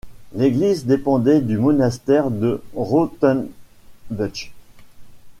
L'église dépendait du monastère de Rottenbuch.